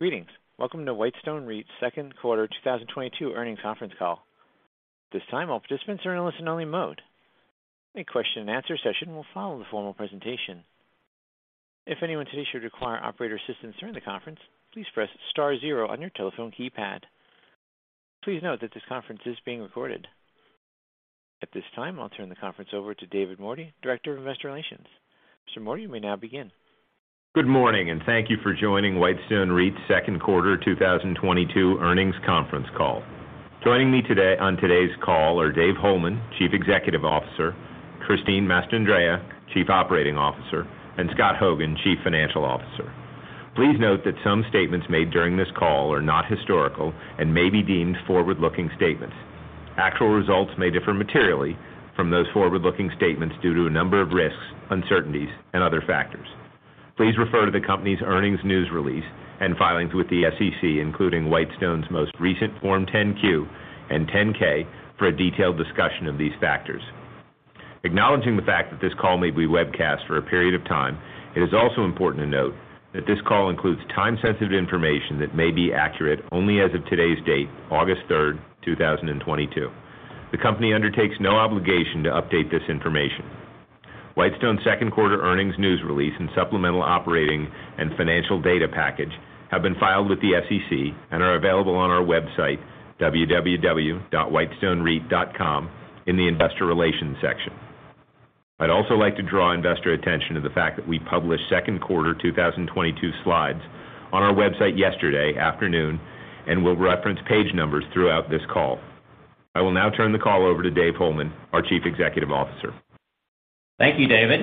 Greetings. Welcome to Whitestone REIT's second quarter 2022 earnings conference call. At this time, all participants are in a listen-only mode. A question-and-answer session will follow the formal presentation. If anyone today should require operator assistance during the conference, please press star zero on your telephone keypad. Please note that this conference is being recorded. At this time, I'll turn the conference over to David Mordy, Director of Investor Relations. Mr. Mordy, you may now begin. Good morning, and thank you for joining Whitestone REIT's second quarter 2022 earnings conference call. Joining me today on today's call are Dave Holeman, Chief Executive Officer, Christine Mastandrea, Chief Operating Officer, and Scott Hogan, Chief Financial Officer. Please note that some statements made during this call are not historical and may be deemed forward-looking statements. Actual results may differ materially from those forward-looking statements due to a number of risks, uncertainties, and other factors. Please refer to the company's earnings news release and filings with the SEC, including Whitestone's most recent Form 10-Q and 10-K for a detailed discussion of these factors. Acknowledging the fact that this call may be webcast for a period of time, it is also important to note that this call includes time-sensitive information that may be accurate only as of today's date, August 3, 2022. The company undertakes no obligation to update this information. Whitestone's second quarter earnings news release and supplemental operating and financial data package have been filed with the SEC and are available on our website, www.whitestonereit.com, in the investor relations section. I'd also like to draw investor attention to the fact that we published second quarter 2022 slides on our website yesterday afternoon, and we'll reference page numbers throughout this call. I will now turn the call over to Dave Holeman, our Chief Executive Officer. Thank you, David.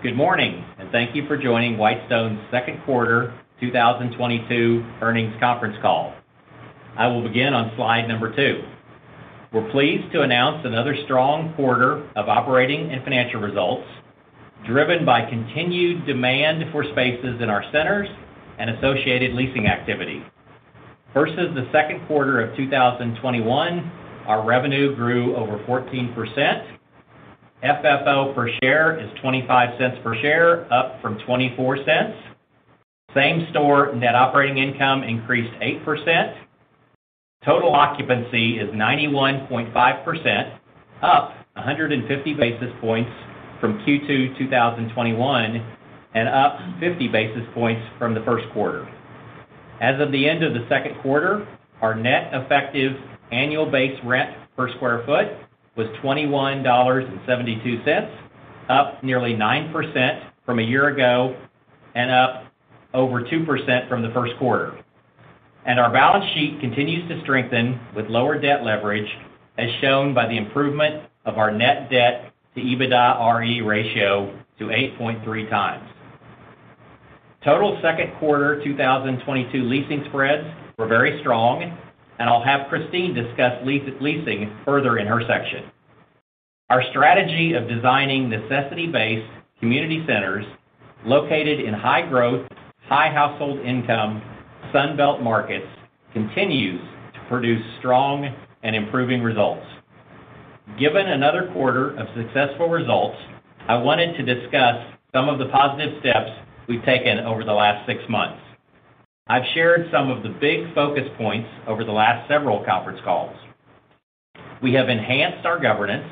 Good morning, and thank you for joining Whitestone's second quarter 2022 earnings conference call. I will begin on slide number two. We're pleased to announce another strong quarter of operating and financial results, driven by continued demand for spaces in our centers and associated leasing activity. Versus the second quarter of 2021, our revenue grew over 14%. FFO per share is $0.25 per share, up from $0.24. Same-store net operating income increased 8%. Total occupancy is 91.5%, up 150 basis points from Q2 2021, and up 50 basis points from the first quarter. As of the end of the second quarter, our net effective annual base rent per square foot was $21.72, up nearly 9% from a year ago and up over 2% from the first quarter. Our balance sheet continues to strengthen with lower debt leverage, as shown by the improvement of our net debt to EBITDA-RE ratio to 8.3x. Total second quarter 2022 leasing spreads were very strong, and I'll have Christine discuss leasing further in her section. Our strategy of designing necessity-based community centers located in high-growth, high household income Sun Belt markets continues to produce strong and improving results. Given another quarter of successful results, I wanted to discuss some of the positive steps we've taken over the last six months. I've shared some of the big focus points over the last several conference calls. We have enhanced our governance,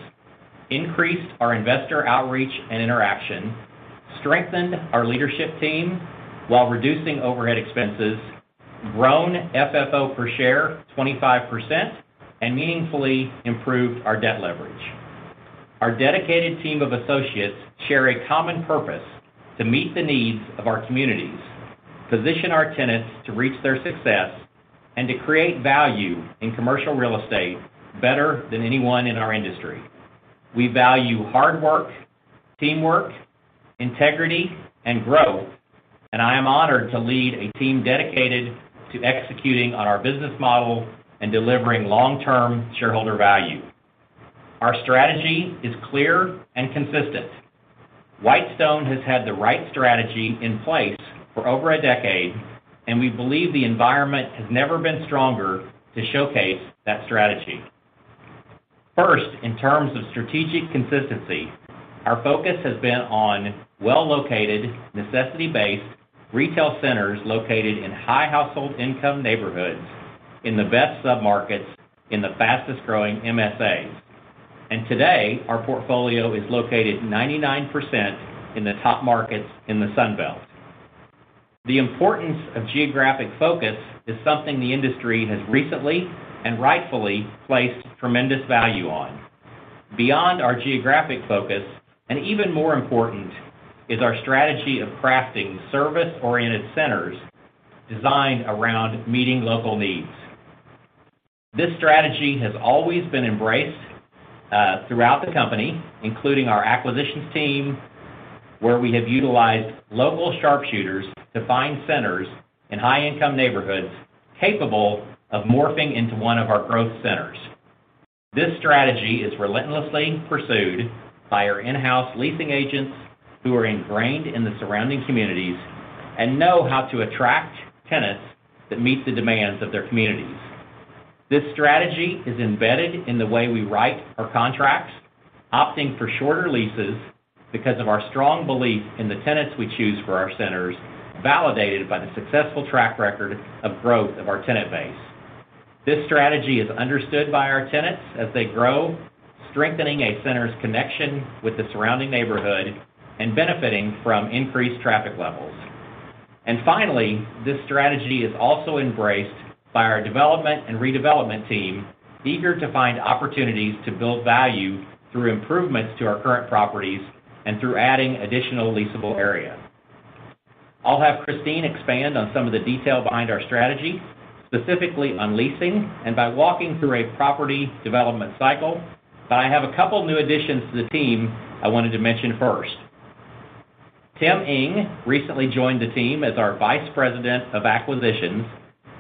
increased our investor outreach and interaction, strengthened our leadership team while reducing overhead expenses, grown FFO per share 25%, and meaningfully improved our debt leverage. Our dedicated team of associates share a common purpose to meet the needs of our communities, position our tenants to reach their success, and to create value in commercial real estate better than anyone in our industry. We value hard work, teamwork, integrity, and growth, and I am honored to lead a team dedicated to executing on our business model and delivering long-term shareholder value. Our strategy is clear and consistent. Whitestone has had the right strategy in place for over a decade, and we believe the environment has never been stronger to showcase that strategy. First, in terms of strategic consistency, our focus has been on well-located, necessity-based retail centers located in high household income neighborhoods in the best submarkets in the fastest-growing MSAs. Today, our portfolio is located 99% in the top markets in the Sun Belt. The importance of geographic focus is something the industry has recently and rightfully placed tremendous value on. Beyond our geographic focus, and even more important, is our strategy of crafting service-oriented centers designed around meeting local needs. This strategy has always been embraced throughout the company, including our acquisitions team, where we have utilized local sharpshooters to find centers in high-income neighborhoods capable of morphing into one of our growth centers. This strategy is relentlessly pursued by our in-house leasing agents who are ingrained in the surrounding communities and know how to attract tenants that meet the demands of their communities. This strategy is embedded in the way we write our contracts, opting for shorter leases because of our strong belief in the tenants we choose for our centers, validated by the successful track record of growth of our tenant base. This strategy is understood by our tenants as they grow, strengthening a center's connection with the surrounding neighborhood and benefiting from increased traffic levels. Finally, this strategy is also embraced by our development and redevelopment team, eager to find opportunities to build value through improvements to our current properties and through adding additional leasable area. I'll have Christine expand on some of the detail behind our strategy, specifically on leasing and by walking through a property development cycle. I have a couple new additions to the team I wanted to mention first. Tim Ng recently joined the team as our Vice President of Acquisitions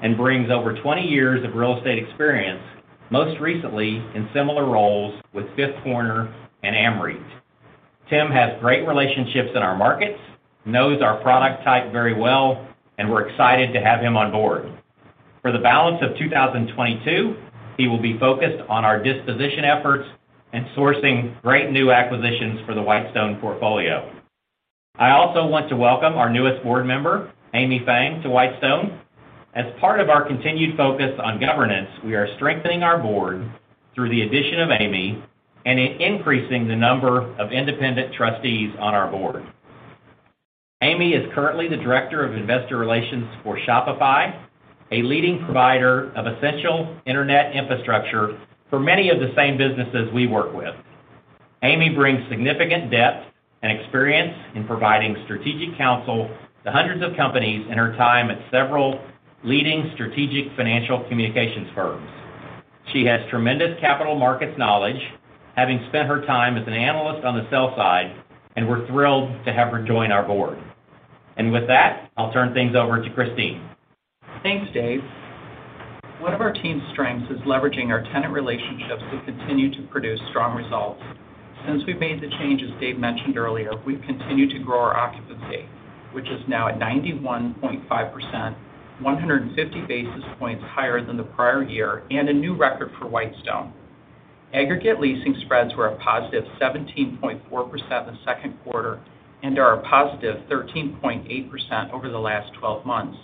and brings over 20 years of real estate experience, most recently in similar roles with Fifth Corner and AmREIT. Tim has great relationships in our markets, knows our product type very well, and we're excited to have him on board. For the balance of 2022, he will be focused on our disposition efforts and sourcing great new acquisitions for the Whitestone portfolio. I also want to welcome our newest board member, Amy Feng, to Whitestone. As part of our continued focus on governance, we are strengthening our board through the addition of Amy and in increasing the number of independent trustees on our board. Amy is currently the Director of investor relations for Shopify, a leading provider of essential internet infrastructure for many of the same businesses we work with. Amy brings significant depth and experience in providing strategic counsel to hundreds of companies in her time at several leading strategic financial communications firms. She has tremendous capital markets knowledge, having spent her time as an analyst on the sell side, and we're thrilled to have her join our board. With that, I'll turn things over to Christine. Thanks, Dave. One of our team's strengths is leveraging our tenant relationships to continue to produce strong results. Since we've made the changes Dave mentioned earlier, we've continued to grow our occupancy, which is now at 91.5%, 150 basis points higher than the prior year, and a new record for Whitestone. Aggregate leasing spreads were a positive 17.4% in the second quarter and are a positive 13.8% over the last 12 months.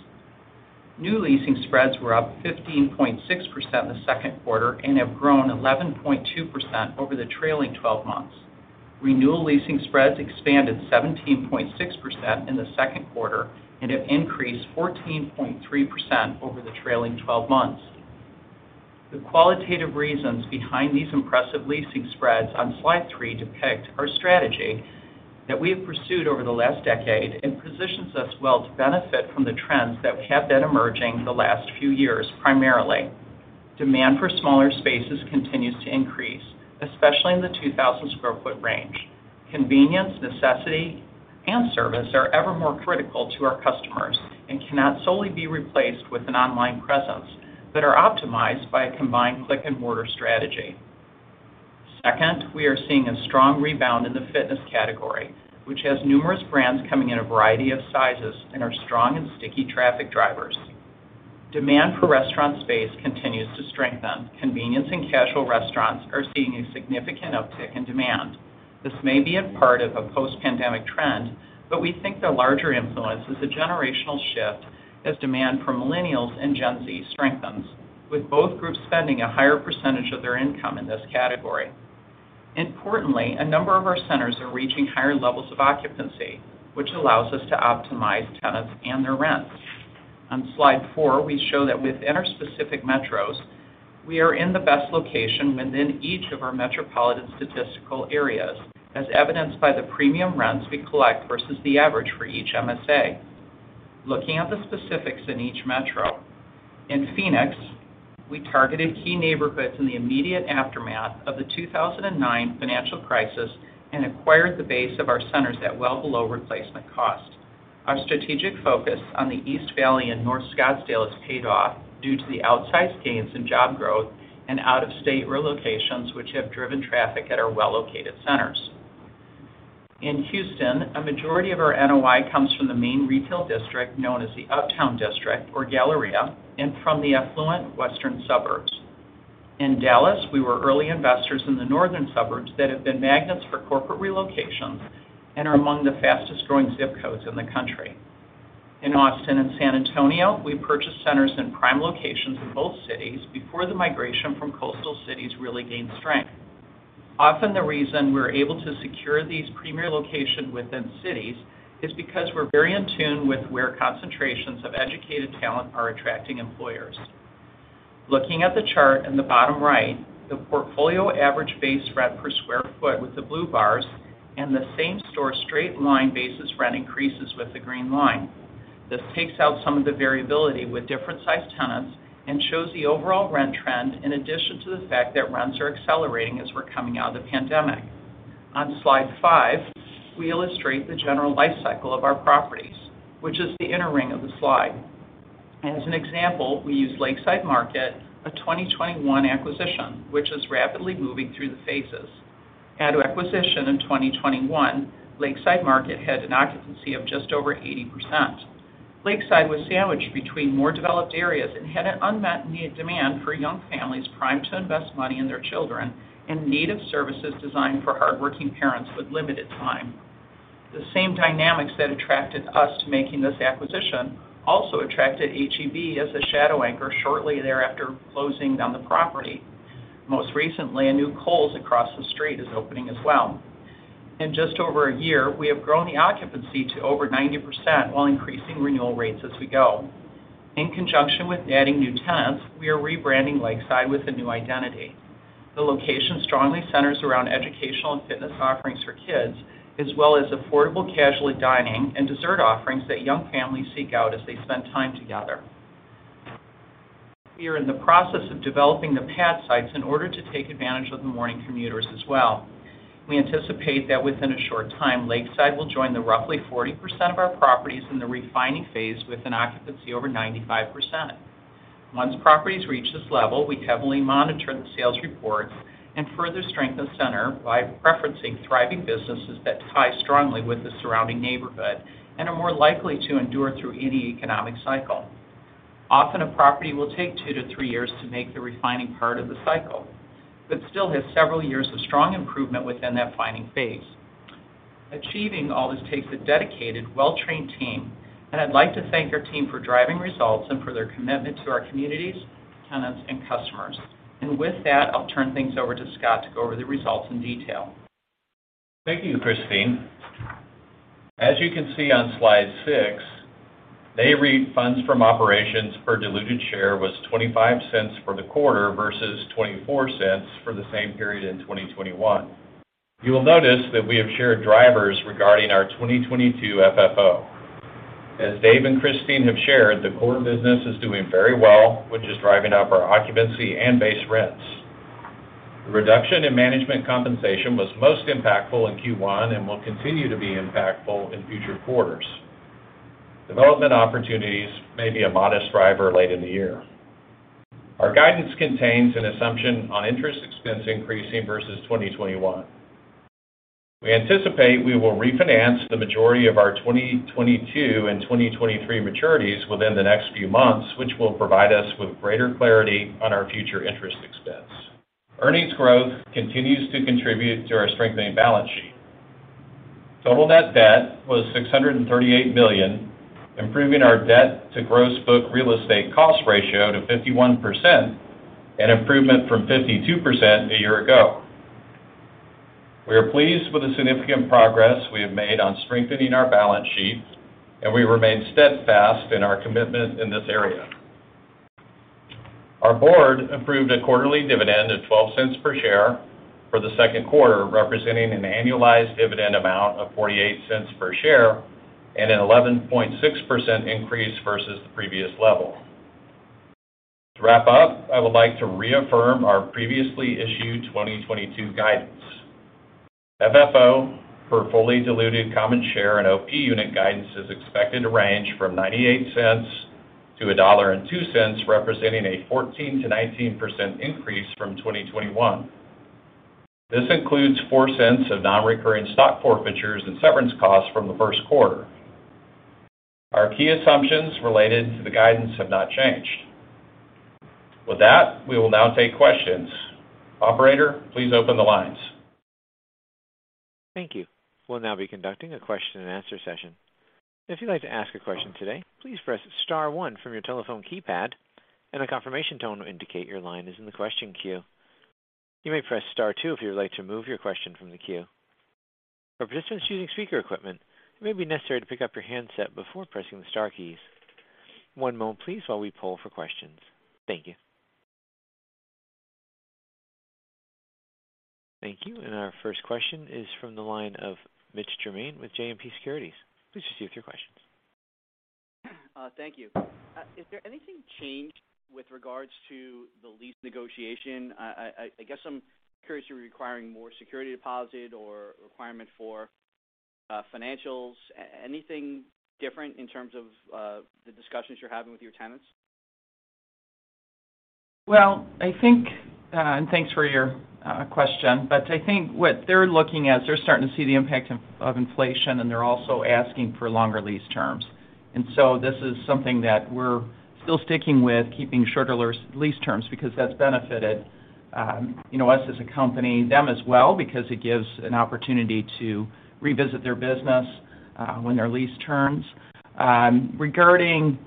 New leasing spreads were up 15.6% in the second quarter and have grown 11.2% over the trailing 12 months. Renewal leasing spreads expanded 17.6% in the second quarter and have increased 14.3% over the trailing 12 months. The qualitative reasons behind these impressive leasing spreads on slide three depict our strategy that we have pursued over the last decade and positions us well to benefit from the trends that have been emerging the last few years, primarily. Demand for smaller spaces continues to increase, especially in the 2,000 sq ft range. Convenience, necessity, and service are ever more critical to our customers and cannot solely be replaced with an online presence, but are optimized by a combined click and mortar strategy. Second, we are seeing a strong rebound in the fitness category, which has numerous brands coming in a variety of sizes and are strong and sticky traffic drivers. Demand for restaurant space continues to strengthen. Convenience and casual restaurants are seeing a significant uptick in demand. This may be a part of a post-pandemic trend, but we think the larger influence is the generational shift as demand from millennials and Gen Z strengthens, with both groups spending a higher percentage of their income in this category. Importantly, a number of our centers are reaching higher levels of occupancy, which allows us to optimize tenants and their rents. On slide four, we show that within our specific metros, we are in the best location within each of our metropolitan statistical areas, as evidenced by the premium rents we collect versus the average for each MSA. Looking at the specifics in each metro, in Phoenix, we targeted key neighborhoods in the immediate aftermath of the 2009 financial crisis and acquired the base of our centers at well below replacement cost. Our strategic focus on the East Valley and North Scottsdale has paid off due to the outsized gains in job growth and out-of-state relocations, which have driven traffic at our well-located centers. In Houston, a majority of our NOI comes from the main retail district known as the Uptown District or Galleria and from the affluent western suburbs. In Dallas, we were early investors in the northern suburbs that have been magnets for corporate relocations and are among the fastest-growing zip codes in the country. In Austin and San Antonio, we purchased centers in prime locations in both cities before the migration from coastal cities really gained strength. Often the reason we're able to secure these premier locations within cities is because we're very in tune with where concentrations of educated talent are attracting employers. Looking at the chart in the bottom right, the portfolio average base rent per square foot with the blue bars and the same-store straight-line basis rent increases with the green line. This takes out some of the variability with different sized tenants and shows the overall rent trend in addition to the fact that rents are accelerating as we're coming out of the pandemic. On slide five, we illustrate the general life cycle of our properties, which is the inner ring of the slide. As an example, we use Lakeside Market, a 2021 acquisition, which is rapidly moving through the phases. At acquisition in 2021, Lakeside Market had an occupancy of just over 80%. Lakeside was sandwiched between more developed areas and had an unmet need demand for young families primed to invest money in their children and native services designed for hardworking parents with limited time. The same dynamics that attracted us to making this acquisition also attracted HEB as a shadow anchor shortly thereafter closing on the property. Most recently, a new Kohl's across the street is opening as well. In just over a year, we have grown the occupancy to over 90% while increasing renewal rates as we go. In conjunction with adding new tenants, we are rebranding Lakeside with a new identity. The location strongly centers around educational and fitness offerings for kids, as well as affordable casual dining and dessert offerings that young families seek out as they spend time together. We are in the process of developing the pad sites in order to take advantage of the morning commuters as well. We anticipate that within a short time, Lakeside will join the roughly 40% of our properties in the refining phase with an occupancy over 95%. Once properties reach this level, we heavily monitor the sales reports and further strengthen center by preferencing thriving businesses that tie strongly with the surrounding neighborhood and are more likely to endure through any economic cycle. Often, a property will take two to three years to make the refining part of the cycle, but still has several years of strong improvement within that refining phase. Achieving all this takes a dedicated, well-trained team, and I'd like to thank our team for driving results and for their commitment to our communities, tenants, and customers. With that, I'll turn things over to Scott to go over the results in detail. Thank you, Christine. As you can see on slide six, our funds from operations per diluted share was $0.25 for the quarter versus $0.24 for the same period in 2021. You will notice that we have shared drivers regarding our 2022 FFO. As Dave and Christine have shared, the core business is doing very well, which is driving up our occupancy and base rents. The reduction in management compensation was most impactful in Q1 and will continue to be impactful in future quarters. Development opportunities may be a modest driver late in the year. Our guidance contains an assumption on interest expense increasing versus 2021. We anticipate we will refinance the majority of our 2022 and 2023 maturities within the next few months, which will provide us with greater clarity on our future interest expense. Earnings growth continues to contribute to our strengthening balance sheet. Total net debt was $638 million, improving our debt to gross book real estate cost ratio to 51%, an improvement from 52% a year ago. We are pleased with the significant progress we have made on strengthening our balance sheet, and we remain steadfast in our commitment in this area. Our board approved a quarterly dividend of $0.12 per share for the second quarter, representing an annualized dividend amount of $0.48 per share and an 11.6% increase versus the previous level. To wrap up, I would like to reaffirm our previously issued 2022 guidance. FFO for fully diluted common share and OP unit guidance is expected to range from $0.98-$1.02, representing a 14%-19% increase from 2021.This includes $0.04 of non-recurring stock forfeitures and severance costs from the first quarter. Our key assumptions related to the guidance have not changed. With that, we will now take questions. Operator, please open the lines. Thank you. We'll now be conducting a question and answer session. If you'd like to ask a question today, please press star one from your telephone keypad, and a confirmation tone will indicate your line is in the question queue. You may press star two if you would like to remove your question from the queue. For participants using speaker equipment, it may be necessary to pick up your handset before pressing the star keys. One moment please while we poll for questions. Thank you. Thank you. Our first question is from the line of Mitch Germain with JMP Securities. Please proceed with your questions. Thank you. Is there anything changed with regards to the lease negotiation? I guess I'm curious if you're requiring more security deposit or requirement for financials, anything different in terms of the discussions you're having with your tenants? Well, I think, and thanks for your question, but I think what they're looking at, they're starting to see the impact of inflation, and they're also asking for longer lease terms. This is something that we're still sticking with keeping shorter lease terms because that's benefited, you know, us as a company, them as well, because it gives an opportunity to revisit their business when their lease turns. Regarding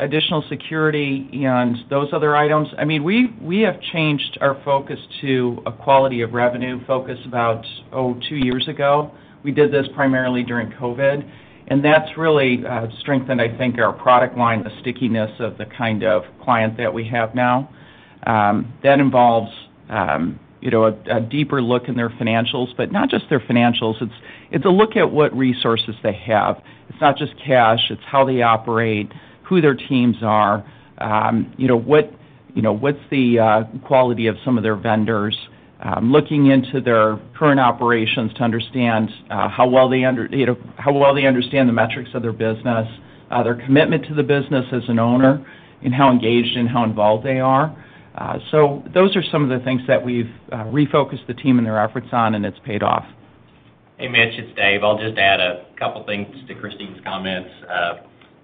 additional security and those other items, I mean, we have changed our focus to a quality of revenue focus about two years ago. We did this primarily during COVID, and that's really strengthened, I think, our product line, the stickiness of the kind of client that we have now. That involves, you know, a deeper look in their financials, but not just their financials. It's a look at what resources they have. It's not just cash, it's how they operate, who their teams are, you know, what's the quality of some of their vendors, looking into their current operations to understand how well they understand the metrics of their business, their commitment to the business as an owner, and how engaged and how involved they are. Those are some of the things that we've refocused the team and their efforts on, and it's paid off. Hey, Mitch, it's Dave. I'll just add a couple things to Christine's comments.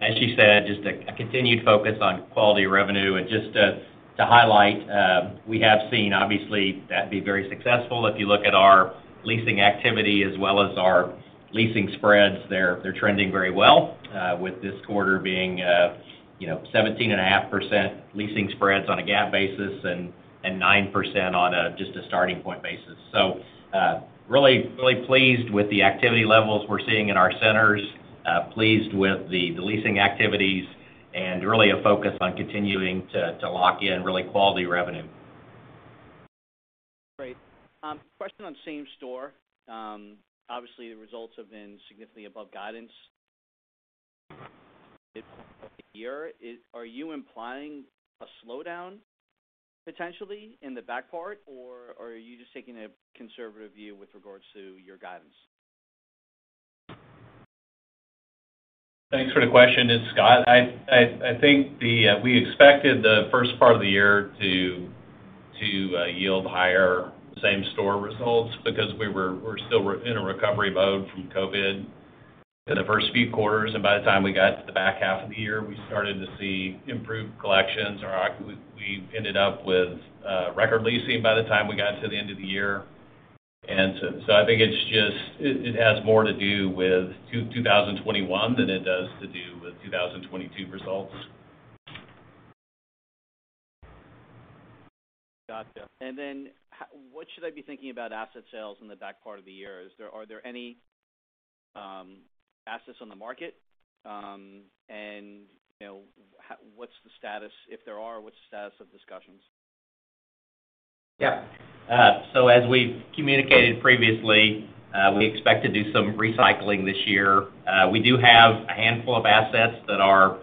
As she said, just a continued focus on quality revenue. Just to highlight, we have seen obviously that to be very successful. If you look at our leasing activity as well as our leasing spreads, they're trending very well with this quarter being you know 17.5% leasing spreads on a GAAP basis and 9% on a starting point basis. Really pleased with the activity levels we're seeing in our centers, pleased with the leasing activities and really a focus on continuing to lock in really quality revenue. Great. Question on same store. Obviously, the results have been significantly above guidance year. Are you implying a slowdown potentially in the back part, or are you just taking a conservative view with regards to your guidance? Thanks for the question. It's Scott. I think we expected the first part of the year to yield higher same-store results because we're still in a recovery mode from COVID in the first few quarters. By the time we got to the back half of the year, we started to see improved collections. We ended up with record leasing by the time we got to the end of the year. I think it's just it has more to do with 2021 than it does to do with 2022 results. Gotcha. What should I be thinking about asset sales in the back part of the year? Are there any assets on the market? You know, what's the status? If there are, what's the status of discussions? Yeah. As we've communicated previously, we expect to do some recycling this year. We do have a handful of assets that are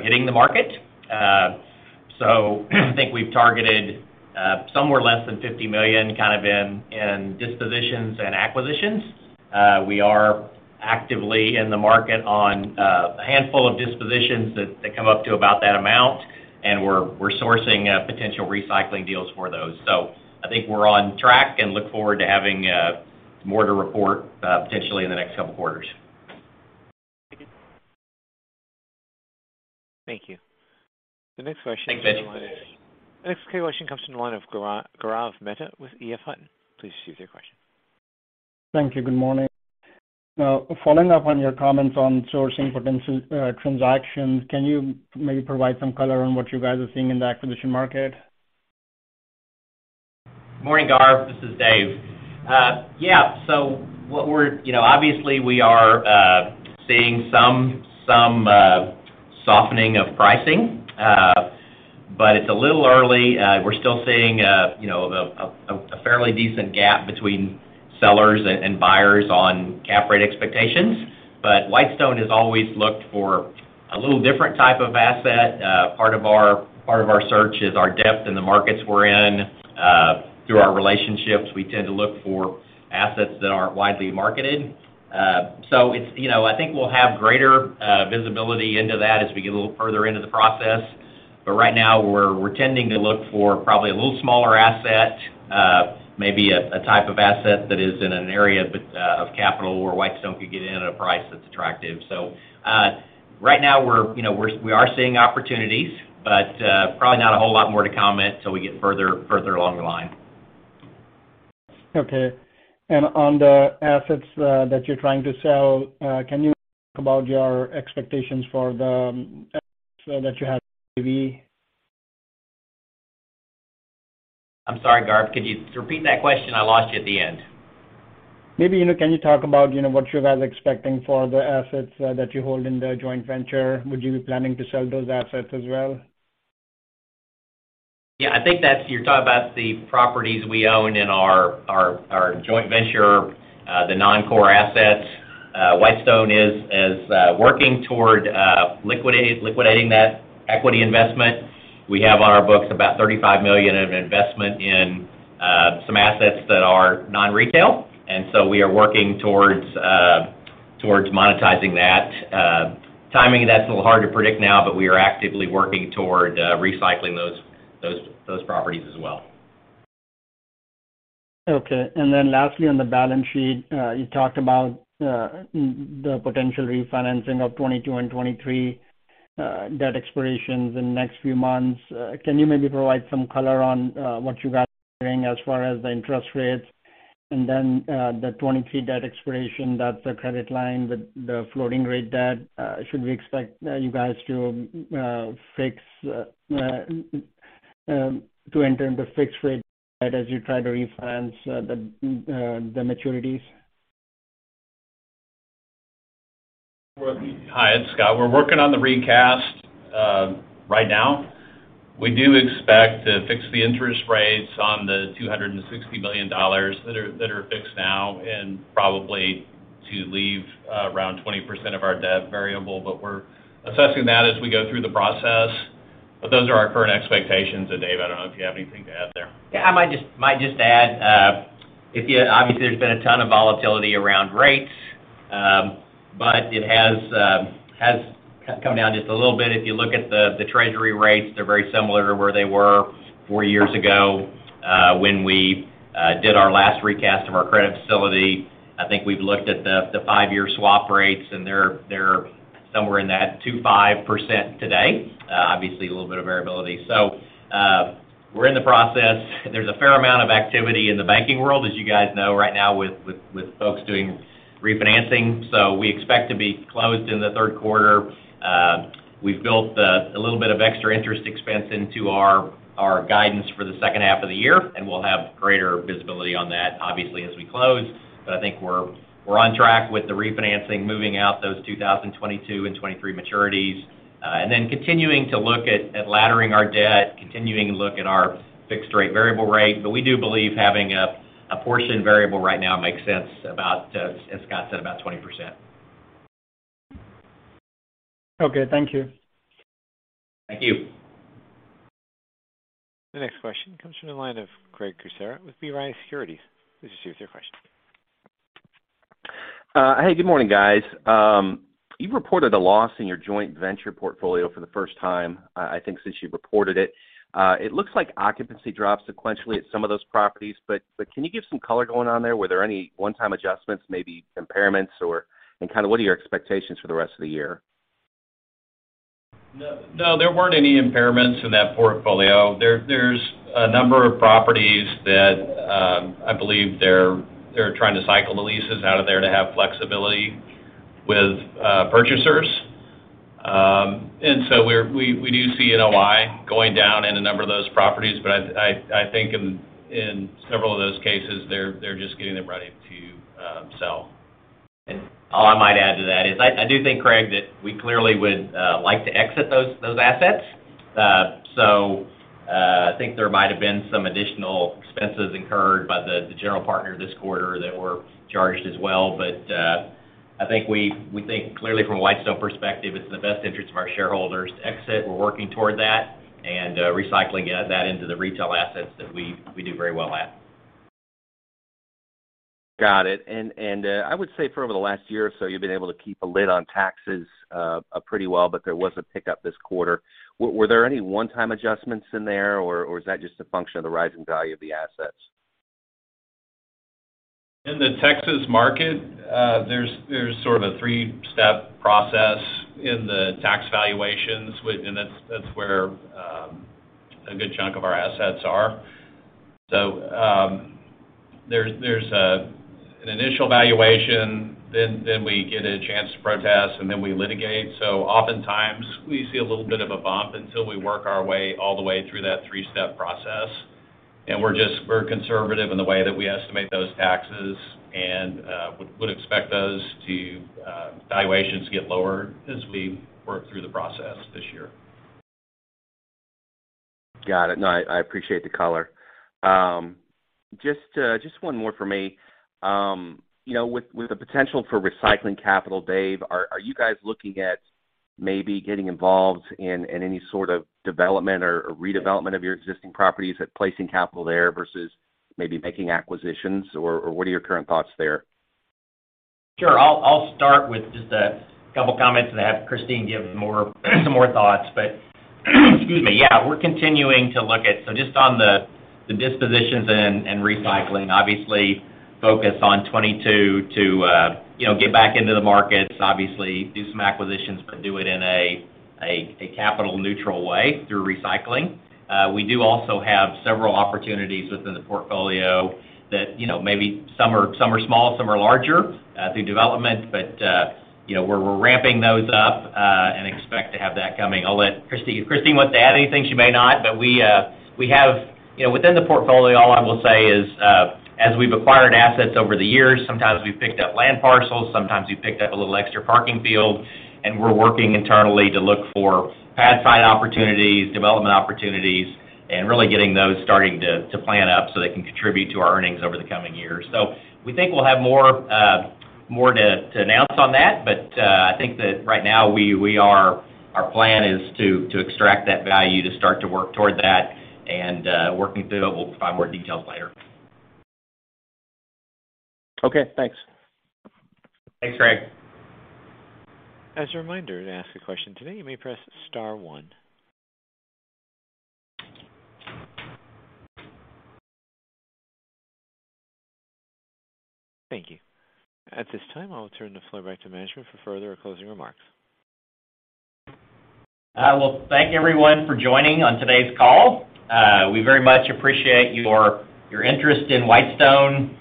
hitting the market. I think we've targeted somewhere less than $50 million kind of in dispositions and acquisitions. We are actively in the market on a handful of dispositions that come up to about that amount, and we're sourcing potential recycling deals for those. I think we're on track and look forward to having more to report potentially in the next couple of quarters. Thank you. Thank you. The next question comes from the line. Thanks, Mitch. The next question comes from the line of Gaurav Mehta with EF Hutton. Please proceed with your question. Thank you. Good morning. Now, following up on your comments on sourcing potential transactions, can you maybe provide some color on what you guys are seeing in the acquisition market? Morning, Gaurav. This is Dave. You know, obviously, we are seeing some softening of pricing, but it's a little early. We're still seeing you know, a fairly decent gap between sellers and buyers on cap rate expectations. Whitestone has always looked for a little different type of asset. Part of our search is our depth in the markets we're in. Through our relationships, we tend to look for assets that aren't widely marketed. It's you know, I think we'll have greater visibility into that as we get a little further into the process. Right now we're tending to look for probably a little smaller asset, maybe a type of asset that is in an area of capital where Whitestone could get in at a price that's attractive. Right now, you know, we are seeing opportunities, but probably not a whole lot more to comment till we get further along the line. Okay. On the assets that you're trying to sell, can you talk about your expectations for the assets that you have maybe? I'm sorry, Gaurav, could you repeat that question? I lost you at the end. Maybe, you know, can you talk about, you know, what you guys are expecting for the assets, that you hold in the joint venture? Would you be planning to sell those assets as well? Yeah, I think that's. You're talking about the properties we own in our joint venture, the non-core assets. Whitestone is working toward liquidating that equity investment. We have on our books about $35 million of investment in some assets that are non-retail. We are working towards monetizing that. Timing, that's a little hard to predict now, but we are actively working toward recycling those properties as well. Okay. Lastly, on the balance sheet, you talked about the potential refinancing of 2022 and 2023 debt expirations in the next few months. Can you maybe provide some color on what you guys are doing as far as the interest rates? The 2023 debt expiration, that's a credit line with the floating rate debt. Should we expect you guys to enter into fixed rate as you try to refinance the maturities? Hi, it's Scott. We're working on the recast right now. We do expect to fix the interest rates on the $260 million that are fixed now and probably to leave around 20% of our debt variable. But we're assessing that as we go through the process. But those are our current expectations. Dave, I don't know if you have anything to add there. Yeah, I might just add. Obviously, there's been a ton of volatility around rates. But it has come down just a little bit. If you look at the treasury rates, they're very similar to where they were four years ago, when we did our last recast of our credit facility. I think we've looked at the five-year swap rates, and they're somewhere in that 2.5% today, obviously a little bit of variability. We're in the process. There's a fair amount of activity in the banking world, as you guys know, right now with folks doing refinancing. We expect to be closed in the third quarter. We've built a little bit of extra interest expense into our guidance for the second half of the year, and we'll have greater visibility on that, obviously, as we close. I think we're on track with the refinancing, moving out those 2022 and 2023 maturities, and then continuing to look at laddering our debt, continuing to look at our fixed rate, variable rate. We do believe having a portion variable right now makes sense, about, as Scott said, about 20%. Okay. Thank you. Thank you. The next question comes from the line of Craig Kucera with B. Riley Securities. Please proceed with your question. Hey, good morning, guys. You've reported a loss in your joint venture portfolio for the first time, I think since you've reported it. It looks like occupancy dropped sequentially at some of those properties, but can you give some color going on there? Were there any one-time adjustments, maybe impairments or. Kinda what are your expectations for the rest of the year? No, there weren't any impairments in that portfolio. There's a number of properties that I believe they're trying to cycle the leases out of there to have flexibility with purchasers. We do see NOI going down in a number of those properties, but I think in several of those cases, they're just getting them ready to sell. All I might add to that is I do think, Craig, that we clearly would like to exit those assets. I think there might have been some additional expenses incurred by the general partner this quarter that were charged as well. I think we think clearly from a Whitestone perspective, it's in the best interest of our shareholders to exit. We're working toward that and recycling that into the retail assets that we do very well at. Got it. I would say for over the last year or so, you've been able to keep a lid on taxes pretty well, but there was a pickup this quarter. Were there any one-time adjustments in there, or is that just a function of the rising value of the assets? In the Texas market, there's sort of a three-step process in the tax valuations and that's where a good chunk of our assets are. There's an initial valuation, then we get a chance to protest, and then we litigate. Oftentimes we see a little bit of a bump until we work our way all the way through that three-step process. We're just conservative in the way that we estimate those taxes and would expect those valuations to get lower as we work through the process this year. Got it. No, I appreciate the color. Just one more from me. You know, with the potential for recycling capital, Dave, are you guys looking at maybe getting involved in any sort of development or redevelopment of your existing properties, at placing capital there versus maybe making acquisitions? Or what are your current thoughts there? Sure. I'll start with just a couple comments and have Christine give more, some more thoughts. Excuse me, yeah, we're continuing to look at. Just on the dispositions and recycling, obviously focus on 2022 to, you know, get back into the markets, obviously do some acquisitions, but do it in a capital neutral way through recycling. We do also have several opportunities within the portfolio that, you know, maybe some are small, some are larger through development, but, you know, we're ramping those up and expect to have that coming. I'll let Christine. If Christine wants to add anything, she may not. We have. You know, within the portfolio, all I will say is, as we've acquired assets over the years, sometimes we've picked up land parcels, sometimes we've picked up a little extra parking field, and we're working internally to look for pathfinder opportunities, development opportunities, and really getting those starting to ramp up so they can contribute to our earnings over the coming years. We think we'll have more to announce on that. I think that right now we are, our plan is to extract that value, to start to work toward that, and working through that, we'll provide more details later. Okay. Thanks. Thanks, Craig. As a reminder, to ask a question today, you may press star one. Thank you. At this time, I'll turn the floor back to management for further closing remarks. I will thank everyone for joining on today's call. We very much appreciate your interest in Whitestone.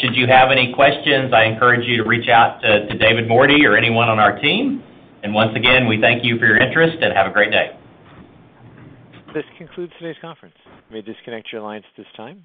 Should you have any questions, I encourage you to reach out to David Mordy or anyone on our team. Once again, we thank you for your interest and have a great day. This concludes today's conference. You may disconnect your lines at this time.